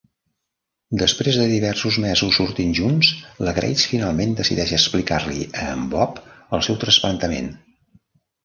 Després de diversos mesos sortint junts, la Grace finalment decideix explicar-li a en Bob el seu trasplantament.